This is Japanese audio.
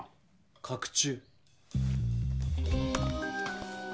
角柱？